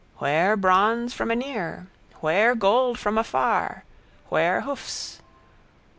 Where bronze from anear? Where gold from afar? Where hoofs?